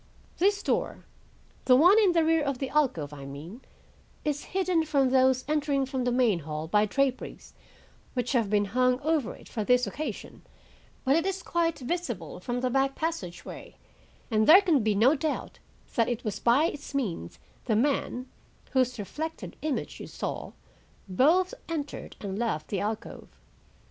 This door, the one in the rear of the alcove, I mean, is hidden from those entering from the main hall by draperies which have been hung over it for this occasion, but it is quite visible from the back passageway, and there can be no doubt that it was by its means the man, whose reflected image you saw, both entered and left the alcove.